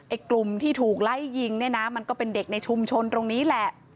กลุ่มที่ถูกไล่ยิงเนี่ยนะมันก็เป็นเด็กในชุมชนตรงนี้แหละ